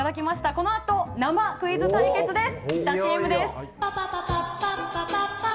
このあと生クイズ対決です。